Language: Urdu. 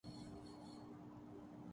کچھ لوگ بہت زیادہ وقت ضائع کرتے ہیں